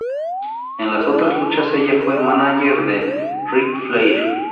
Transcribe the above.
En las otras luchas ella fue manager de Ric Flair.